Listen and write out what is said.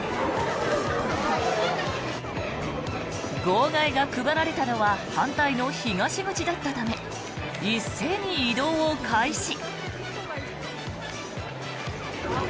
号外が配られたのは反対の東口だったため一斉に移動を開始。